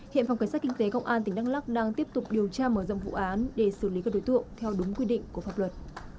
hiện phòng cảnh sát kinh tế công an tỉnh đắk lắc đang tiếp tục điều tra mở rộng vụ án để xử lý các đối tượng theo đúng quy định của pháp luật